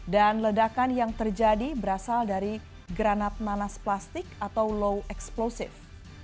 dan ledakan yang terjadi berasal dari granat nanas plastik atau low explosive